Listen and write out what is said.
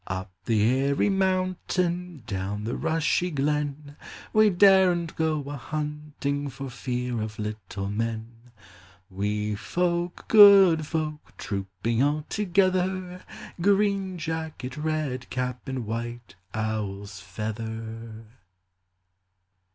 Up the airy mountain, Down the rushy glen, We daren't go a hunting For fear of little men ; Wee folk, good folk, Trooping all together ; Green jacket, red cap, And white owl's feather